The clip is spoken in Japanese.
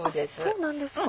そうなんですか。